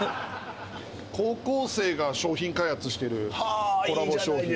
高校生が商品開発してるコラボ商品。